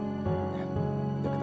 kita ke belakang ya